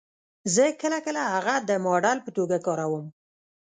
زه کله کله هغه د ماډل په توګه کاروم